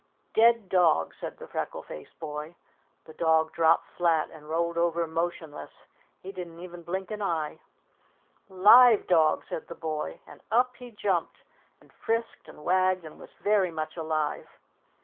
"Dead dog!" said the freckle faced boy. The dog dropped flat and rolled over motionless. He didn't even blink an eye. "Live dog!" said the boy, and up he jumped and frisked and wagged and was very much alive.